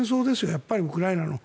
やっぱりウクライナの。